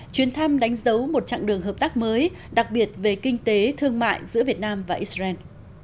chuyến thăm đánh dấu một chặng đường hợp tác mới đặc biệt về kinh tế thương mại giữa việt nam và israel